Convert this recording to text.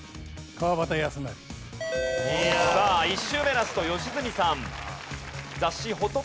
さあ１周目ラスト良純さん。